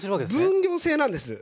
分業制なんです。